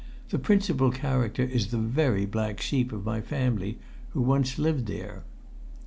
The principal character is the very black sheep of my family who once lived there."